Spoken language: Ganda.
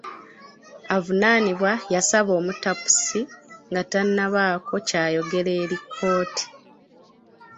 Avunaanibwa yasaba omutapusi nga tannabaako ky'ayogera eri kkooti.